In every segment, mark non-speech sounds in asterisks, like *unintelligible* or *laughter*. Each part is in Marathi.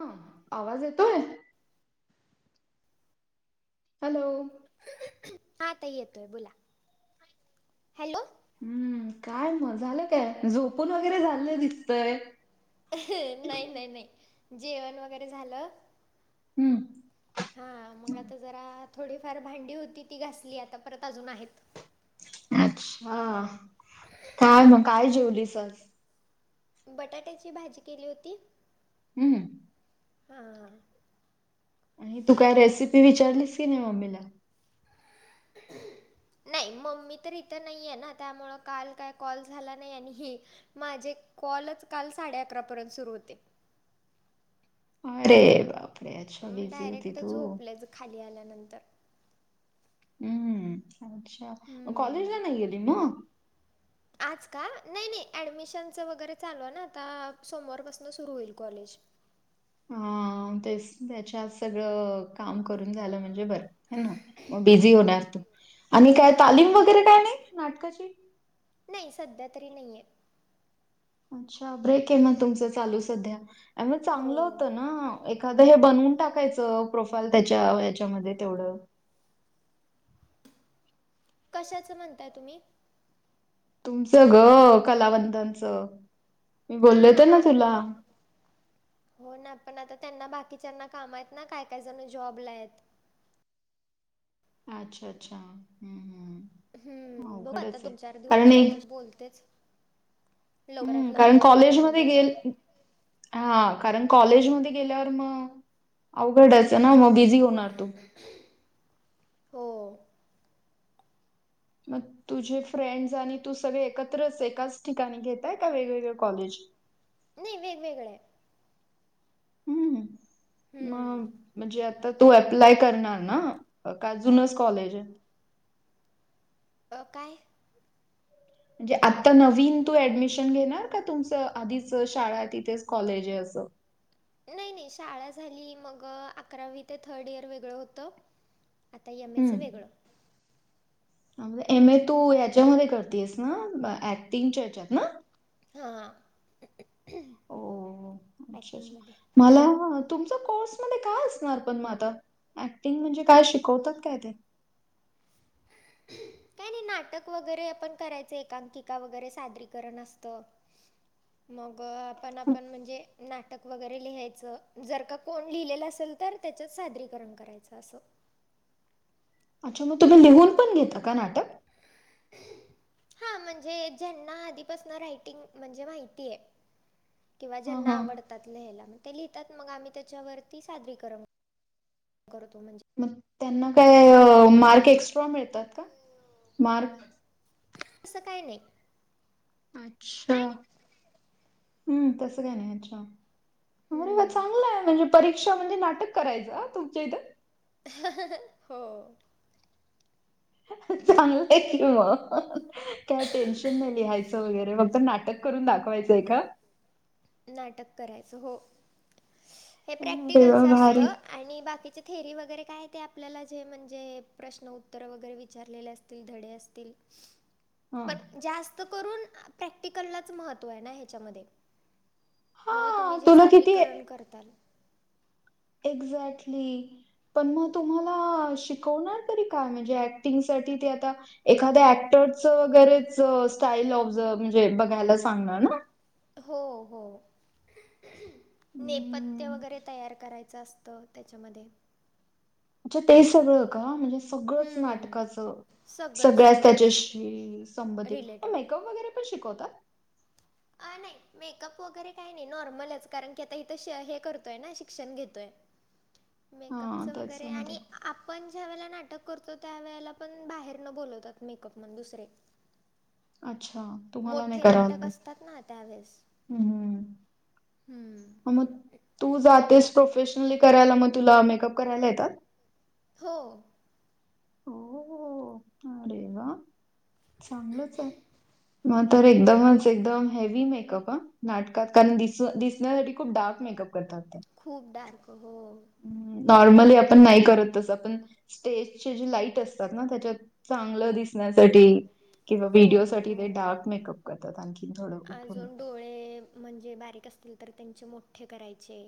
हं आवांज येतो यं हॅलो हां ताई येतोय बोलां हॅलो हम्मं कायं म झालं कायं झोपूंन वगैरें झालेलं दिसतंय. नाहीं नाहीं नाहीं जेवणं वगैरें झालं हम्मं हां मंग आंता जरां थोडीफांर भांडी होती ती घासली आंता परंत अजूंन आहेतं. अच्छा कायं मं कायं जेवलीस आंज बटाट्यांची भाजी केली होती. हम्मं हां हां हां आणि तूं कायं रेसिपी विचारलीस की नाहीं मम्मीला *unintelligible* नाहीं मम्मी तरं इथं नाहीये नां त्यामुळं कांल कायं कॉल झालां नाहीं आणि हे माझे कॉलचं कांल साडे अकरां पर्यंत सुरूं होते. अरे बापरे अच्छा बिझी होती तूं खांली आल्यांनंतर हम्म अच्छा हम्म. कॉलेजला नाही गेली मग आज का नाही नाही ऍडमिशनच वगैरे चालू ना आता सोमवारपासन सुरू होईल कॉलेज. हा तेच त्याच्यात सगळं काम करून झालं म्हणजे बर हो ना मग बिझी होणार तू. आणि काय तालीम हां वगैरे काय नाही नाटकाची. नाही सध्या तरी नाहीये. अच्छा ब्रेक आहे मग तुमच चालू सध्या, अरे मग चांगलं हो होत ना. एखादं हे बनवून टाकायचं प्रोफाईल त्याच्या याच्यामध्ये तेवढं. कशाच म्हणताय तुम्ही. तुमचं ग कलावंदनच, मी हां बोलले हां होते ना हां तुला. हो ना पण आता त्यांना बाकीच्याना काम आहेत, ना काय काय जण जॉबला आहेत. अच्छा, अच्छा, हम्म. हम्म, बघु आता अवघडच आहे दोन, चार दिवसांनी त्यांच्याशी बोलतेच. लवकरात हम्, कारण लवकर झालं कॉलेजमध्ये म्हणजे गेल हा कारण कॉलेजमध्ये गेल्यावर, मग अवघडच ना मग बिझी होणार तू. हो मग तुझे फ्रेंड्स आणि तू सगळे एकत्रच एकाच ठिकाणी घेताय का वेगवेगळे कॉलेज. नाही, वेगवेगळ्या. हम्म, हम्म, मग. म्हणजे आता तू अप्लाय करणार ना, का जूनच कॉलेज आहे. अ काय. म्हणजे आता नवीन तू ऍडमिशन घेणार का, तुमचं आधीच शाळा आहे तिथेच कॉलेज आहे असं. नाही नाही, शाळा झाली मग अकरावी ते थर्ड इयर वेगळं होतं. आता एम ए चं वेगळ. हम्म एम ए तू याच्यामध्ये करतीयेस ना, ऍक्टिंगच्या हच्यात ना. हां हो, अच्छा ॲक्टिंगमध्ये अच्छा मला तुमचा कोर्स मध्ये काय असणार पण मग आता. ऍक्टिंग म्हणजे काय शिकवतात काय ते. काय. नाटक वगैरे आपण करायच, एकांकिका वगैरे सादरीकरण असत. मग आपण, आपण म्हणजे नाटक. नाटक वगैरे लिहायचं, जर का कोण लिहिलेलं असेल तर, त्याच्यात सादरीकरण करायचं असं. अच्छा, मग तुम्ही लिहून पण घेता का नाटक. *inaudible* हा, म्हणजे ज्यांना आधीपासन रायटिंग म्हणजे माहिती आहे. किंवा हा ज्यांना हा आवडतात लिहायला, मग ते लिहितात मग आम्ही त्याच्यावरती सादरीकरण. करतो म्हणजे. मग, त्यांना काय पाठांरोध करू मार्क एक्स्ट्रा मिळतात का मार्क. असं काय नाही. अच्छा, हम्म तस काय नाही अच्छा. अरे वा, हम्म चांगलंय म्हणजे परीक्षा म्हणजे नाटक करायचं हां, तुमच्या इथं. हो. चांगलंय कि मग, काय टेन्शन नाही लिहायचं वगैरे, फक्त नाटक. करून दाखवायचंय का. नाटक करायचं हो, हे अरे वाह! प्रॅक्टिकलचं भारी. असतं. आणि बाकीचे थेरी वगैरे काय आहे. ते आपल्याला जे म्हणजे प्रश्न उत्तर वगैरे विचारलेले असते. धडे असतील. हा पण जास्त करून प्रॅक्टिकलाच महत्व आहे. ना ह्याच्या मध्ये म्हणजे तुम्ही हां, जे तुला किती सादरीकरण करताल. एक्झॅक्टली पण मग तुम्हाला शिकवणार तरी काय? म्हणजे ऍक्टिंग साठी ते आता एखाद्या ऍक्टरच गैरेच स्टाईल ऑफजर म्हणजे बघायला सांगणार ना? हो हो नेपथ्य हम्म. वगैरे ते तयार करायचं असतं. त्याच्यामध्ये अच्छा! ते सगळं का? म्हणजे सगळंच हं. नाटकाच सगळं, सगळ्याच सगळंच त्याच्याशी संबंधित म रिलेटेड. मेकअप वगैरे पण शिकवतात.? आ नाही. मेकअप वगैरे काही नाही. नॉर्मलच कारण की आता इथं हे करतोय. ना शिक्षण घेतोय. मेकअपच हां, वगैरे त्याच्यामध्ये. आणि आप आपण ज्या वेळेला नाटक करतो. त्या वेळेला पण बाहेर न बोलवतात. मेकअप मॅन दुसरे *inaudible* अच्छा! तुम्हाला नाही. करा येतात ना त्यावेळेस मग हम्म तू जातेस प्रोफेशनली करायला. मग तुला मेकअप करायला येतात? हो हो अरे वा! चांगलच हे. मग तर एकदमच एकदम हेवी मेकअप हं नाटकात कारण दिस दिसण्यासाठी खूप डार्क मेकअप करतात. खूप डार्क हो नॉर्मली आपण नाही. करत तस पण स्टेज जी लाईट असतात. ना त्याच्यात चांगलं दिस दिसण्यासाठी किंवा हो व्हिडिओ ना साठी हो ते डार्क मेकअप करतात. आणखी थोडं उठून अजून डोळे म्हणजे बारीक असतील. तर त्यांचे मोठे करायचे.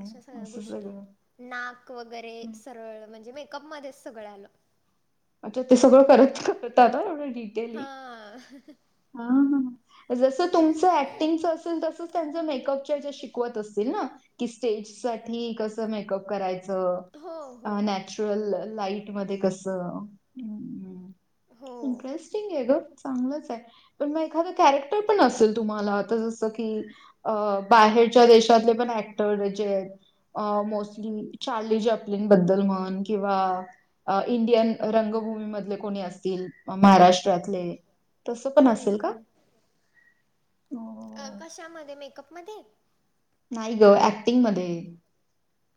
अशा सगळ्या असं गोष्टी सगळं. नाक वगैरे हं. सरळ म्हणजे मेक कअप मध्येच सगळं आलं. अच्छा! ते सगळं करता करताना. एवढं डिटेली हां हा ह जसं तुमचं ऍक्टिंगच असेल. तसं त्यां मेकअप च्याजा शिकवत असतील. ना की स्टेज साठी कस मेकअप करायच. हो नॅचरल लाईट मघ्ये कसं हो इंटरेस्टिंग आहे गं! चांगलंच आहे. पण मग एखादं कॅरेक्टर पण असेल. तुम्हाला आता जसं की! अ बाहेरच्या देशातले पण ऍक्टर जे आहेत. मोस्टली चार्ली जपली बद्दल म्हण किंवा? इंडियन रंगभूमी मधले कोणी असतील. महाराष्ट्रातले तसं पण हम्म, असेल का? हम्म. अ, कशामध्ये मेकअप मध्ये? नाही गं ऍक्टिंग मध्ये!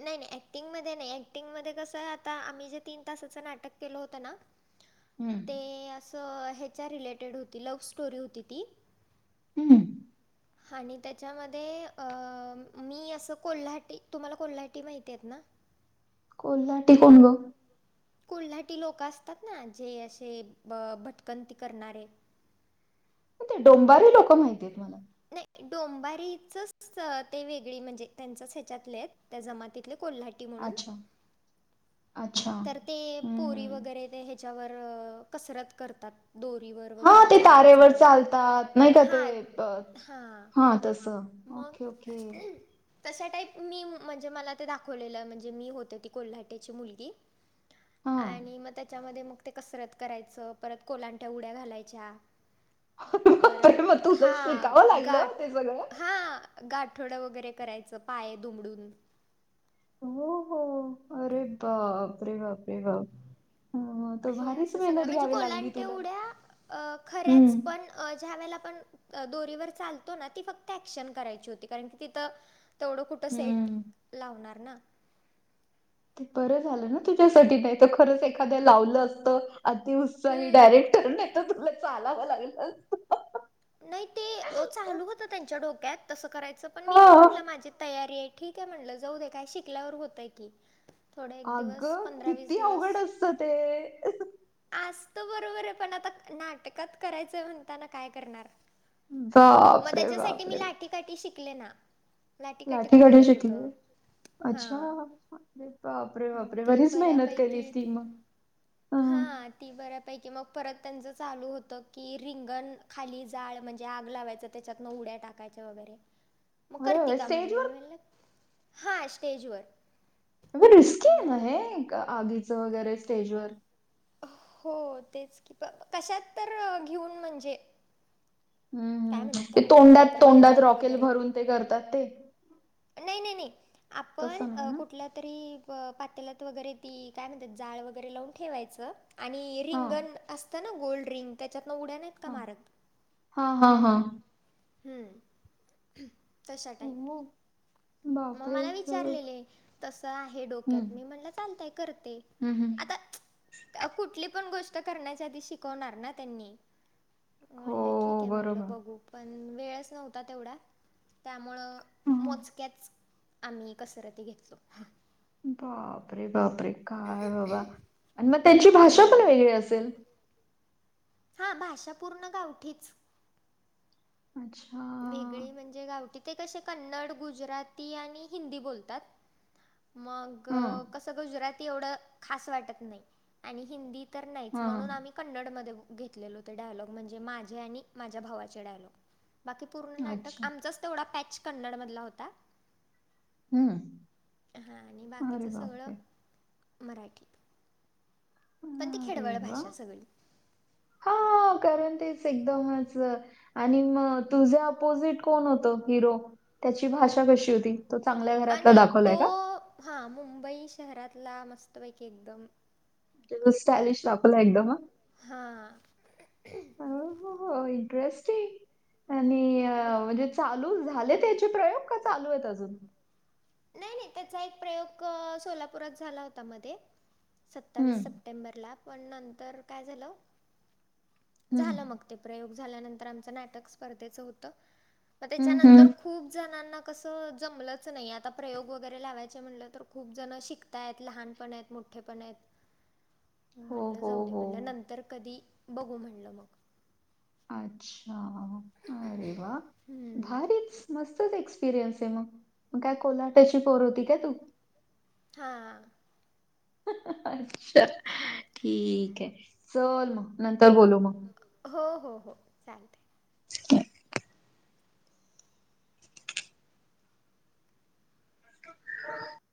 नाही नाही. ऍक्टिंगमध्ये नाही ऍक्टिंगमध्ये कसं आता आम्ही जे तीन तासाचं नाटक केलं होतं ना! ह *inaudible* हम्म ते असं ह्याच्या रिलेटेड होती. लव्ह स्टोरी होती. ती हम्म आणि त्याच्यामध्ये अ मी असं कोल्हाटी तुम्हाला कोल्हाटी माहिती आहेत ना कोल्हाटी कोण गं कोल्हाटी लोक असतात ना जे असे भटकंती करणारे. ते डोंबारी लोक माहिती आहेत मला डोंबारीचच ते वेगळी म्हणजे त्यांचच ह्याच्यातले आहेत त्या जमातीतले कोल्हाटी. म्हणून अच्छा, अच्छा. तर ते हं, पोरी हं. वगैरे ते त्याच्यावर कसरत करतात दोरीवर हा वगैरे ते तारेवर चालायचं चालतात नाही का ते हां हां हा तसं मग ओके, ओके. तशा टाईप मी म्हणजे मला ते दाखवलेलं म्हणजे मी होत ती कोल्हाट्याची मुलगी. हां. आणि मग त्याच्यामध्ये मग ते कसरत करायचं परत कोलांट्या उड्या घालायच्या. बापरे! परत मग तुला हा शिकावं गाठ लागलं ते सगळं? हा गाठोडं वगैरे करायचं पाय दुमडून हो हो अरे बापरे बापरे बाप अ, तर हे भारीच असं मेहनत सगळं म्हणजे घ्यावी लागली कोलांटे तुला. उड्या अ खऱ्याच हं, पण ज्या वेळेला आपण दोरीवर चालतो ना ती फक्त ऍक्शन करायची होती कारण की तिथं तेवढं कुठं सेट हं. लावणार ना ते बरं झालं ना तुझ्यासाठी नाही तर खरंच एखाद्या लावलं असतं अती उत्साही हम्म डायरेक्टर नाहीतर तुला चालावं लागलं असत. नाही ते चालू होतं त्यांच्या डोक्यात तस करायचं पण मी पण हां. म्हणलं माझी तयारी ये ठीक आहे म्हणलं जाऊ दे काय शिकल्यावर होतय की थोड एक दिवस अगं, पंधरा वीस किती दिवस अवघड असतं ते आसत बरोबर ये पण आता नाटकात करायचंय म्हणताना काय करणार म बापरे त्याच्यासाठी मी बापरे लाठीकाठी शिकले ना लाटीकाठी कुठे लाठीकाठी येत होतं. शिकली अच्छा हां बापरे बापरे मग बापरे ती बरीच मेहनत केलीस की मग हा हं. ती बऱ्यापैकी मग परत त्यांचं चालू होत की रिंगण खाली जाळ म्हणजे आग लावायच त्याच्यातन उड्या टाकायच वगैरे मग अरे करती वा, का म्हणले स्टेजवर मी म्हटल हा स्टेजवर अगं रिस्की ये ना मग हे आगीचं वगैरे स्टेजवर. हो तेच की कशात तर घेऊन म्हणजे हम् हम काय हम म्हणतात ते त्याला कुठल्या तोंडात तर तोंडात भांड्यात रॉकेल वगैरे. भरून ते करतात ते नाही नाही नाही आपण तसं नाही ना कुठल्या तरी पातेलात वगैरे ती काय म्हणतात जाळ वगैरे लावून ठेवायचं आणि हा रिंगण असतं ना गोल रिंग त्याच्यात ना उड्या नाही ह हा हा हा हमम तशा टाईप हो मग मला विचारलेले तसं आहे डोक्यात मी म्हणलं चालतय करते. हम् हम् आता कुठली पण गोष्ट करण्याच्या आधी शिकवणार ना त्यांनी हो म्हणलं ठीक ये म्हणलं बरोबर बघू पण वेळच नव्हता तेवढा त्यामुळं हं. मोजक्याच आम्ही कसरती घेयचो. बापरे बापरे काय बाबा आणि मग त्यांची भाषा पण हम्म. वेगळी असेल! हा भाषा पूर्ण गावठीच. अच्छा वेगळी म्हणजे गावट ते कसे कन्नड, गुजराती आणि हिंदी बोलतात. मग हां कस गुजराती एवढं खास वाटत नाही आणि हिंदी तर नाहीच हां हां म्हणून आम्ही कन्नडमध्ये घेतलेलो ते डायलॉग म्हणजे माझे आणि माझ्या भावाचे डायलॉग बाकी पूर्ण नाटक अच्छा आमचाच तेवढा पॅच कन्नडमधला होता. हम्म हा आणि अरे बाकीचं सगळं बापरे मराठी पण ती अरे खेडवळ वा भाषा सगळी हा करन तेच एकदमच आणि म तुझे अपोजिट कोण होतं हिरो त्याची भाषा कशी होती? तो चांगल्या घरातला दाखवलाय का? हा मुंबई शहरातला मस्तपैकी एकदम स्टायलिश दाखवला एकदम हा हो हो हो इंटरेस्टिंग आणि मग म्हणजे चालू झाले त्याचे प्रयोग? का चालू आहेत अजून नाही नाही त्याचा एक प्रयोग सोलापूरात झाला होता मध्ये, सत्तावीस हम्म सप्टेंबरला पण नंतर काय झालं झालं मग. हम्म प्रयोग झाल्यानंतर आमच नाटक स्पर्धेच होत मग हम्म त्याच्यानंतर हम्म. खूप जणांना कसं जमलंच नाही आता प्रयोग वगैरे लावायचे म्हटलं तर खूप जण शिकताय आहेत लहानपण आहेत मोठे पण आहेत. हो म्हटलं हो जाऊ दे म्हणलं हो नंतर कधी बघू म्हणलं मग अच्छा, अरे वा! हम्म. भारीच मस्तच एक्सपिरियन्स आहे मग मग काय कोल्हाट्याची पोर होती काय तू? हा अच्छा हा ठीक आहे चल मग नंतर बोलू मग. हो हो हो चालतय. *unintelligible*